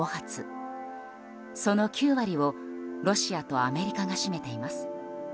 その９割をロシアとアメリカが占めています。